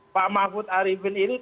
pak mahfud arifin ini